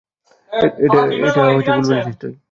এটা ভুল বলেছিস তুই!